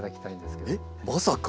えっまさか。